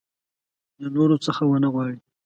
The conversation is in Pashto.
له نورو څه ونه وغواړي.